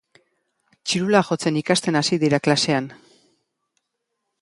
Txirula jotzen ikasten hasi dira klasean.